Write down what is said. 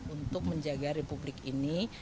untuk menjaga republik ini